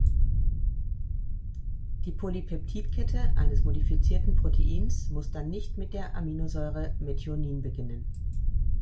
Die Polypeptidkette eines modifizierten Proteins muss dann nicht mit der Aminosäure Methionin beginnen.